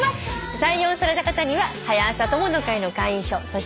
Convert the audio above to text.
採用された方には「はや朝友の会」の会員証そして。